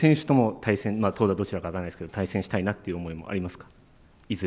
対戦、投打どちらか分からないんですが、対戦したいなという思いもありますし。